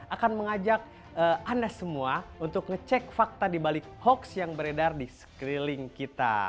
akan mengajak anda semua untuk ngecek fakta dibalik hoax yang beredar di sekeliling kita